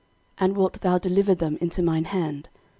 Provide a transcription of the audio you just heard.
And wilt thou deliver them into mine hand?